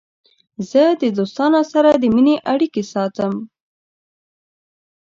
زه د دوستانو سره د مینې اړیکې ساتم.